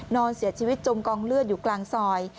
นอนเสียชีวิตจมกองเลือดอยู่กลางซอย